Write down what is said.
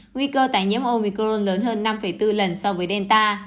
nguy cơ tái nhiễm omicron lớn hơn năm bốn lần so với delta